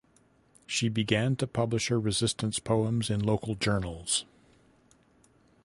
She began to publish her resistance poems in local journals.